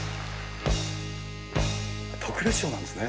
特別賞なんですね。